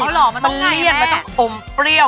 ต้องเปรี้ยนนะต้องอมเปรี้ยว